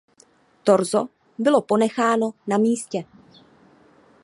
Torzo bylo ponecháno na místě.